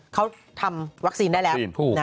เขาทำวัคซีนได้แล้ว